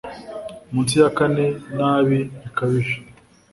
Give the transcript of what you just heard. Munsi ya kane nabi bikabije